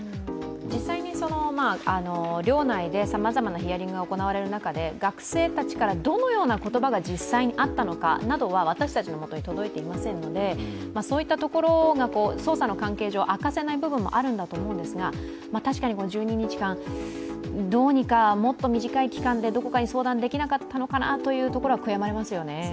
実際、寮内でさまざまなヒアリングが行われる中で学生たちからどのような言葉が実際にあったのかなどは私たちのもとに届いていませんので、そういったところは捜査の関係上、明かせない部分があるんだと思うんですが、確かに１２日間、どうにかもっと短い期間でどこかに相談できなかったのかなと悔やまれますよね。